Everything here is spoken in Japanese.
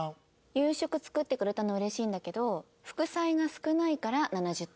「夕食作ってくれたのうれしいんだけど副菜が少ないから７０点ね」。